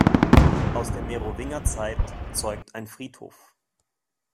Aus der Merowingerzeit zeugt ein Friedhof.